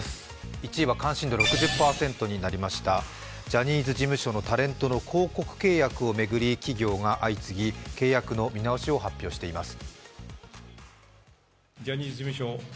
１位は関心度６０％とになりましたジャニーズ事務所のタレントの広告契約を巡り企業が相次ぎ契約の見直しを発表しています。